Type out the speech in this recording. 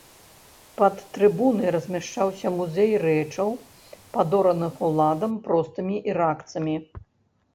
Пад трыбунай размяшчаўся музей рэчаў, падораных уладам простымі іракцамі.